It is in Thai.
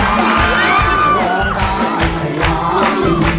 มูลค่าสองหมื่นบาทให้ร้าง